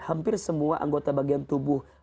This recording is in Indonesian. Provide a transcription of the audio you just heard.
hampir semua anggota bagian tubuh